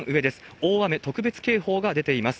大雨特別警報が出ています。